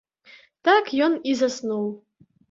Так ён і заснуў.